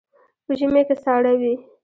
په ژمي کې ساړه وي.